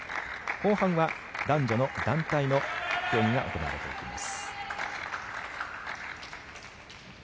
後半は男女の団体の競技が行われていきます。